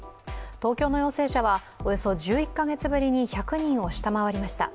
東京の陽性者はおよそ１１カ月ぶりに１００人を下回りました。